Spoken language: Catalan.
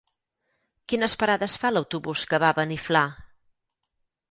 Quines parades fa l'autobús que va a Beniflà?